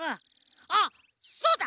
あっそうだ！